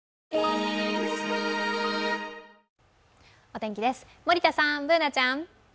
お天気です、森田さんＢｏｏｎａちゃん。